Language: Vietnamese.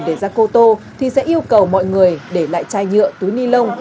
để ra cô tô thì sẽ yêu cầu mọi người để lại chai nhựa túi ni lông